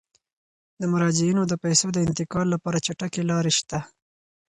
د مراجعینو د پيسو د انتقال لپاره چټکې لارې شته.